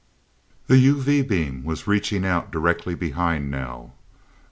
The UV beam was reaching out directly behind now.